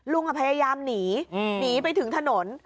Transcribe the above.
ลุงพยายามหนีหนีไปถึงถนน